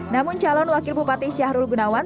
namun calon wakil bupati syahrul gunawan